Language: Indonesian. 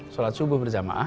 salat subuh berjamaah